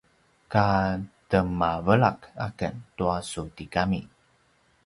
ka temavelak aken tua su tigami